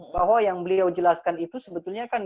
bahwa yang beliau jelaskan itu sebetulnya kan